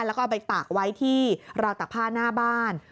แล้วก็เอาไปตากไว้ที่ราวตักผ้าหน้าบ้าน